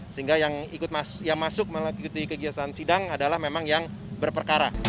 sehingga yang masuk mengikuti kegiatan sidang adalah memang yang berperkara